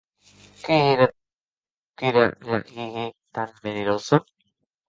Qué ère, donc, aquerò que la hège tan malerosa?